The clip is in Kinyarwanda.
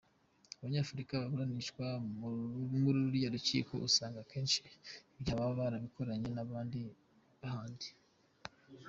Abanyafurika baburanishwa na ruriya rukiko usanga akenshi ibyaha baba barabikoranye n’abandi b’ahandi”.